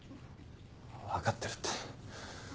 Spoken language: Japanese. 分かってるって。